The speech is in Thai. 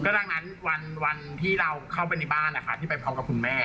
ดังนั้นวันที่เราเข้าไปในบ้านนะคะที่ไปพร้อมกับคุณแม่